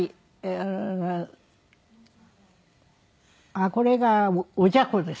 あっこれがおジャコです。